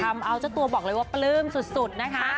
ทำเอาเจ้าตัวบอกเลยว่าปลื้มสุดนะคะ